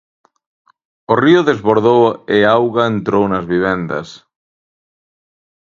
O río desbordou e auga entrou nas vivendas.